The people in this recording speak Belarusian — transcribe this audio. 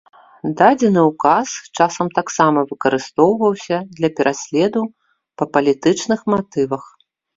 Дадзены указ часам таксама выкарыстоўваўся для пераследу па палітычных матывах.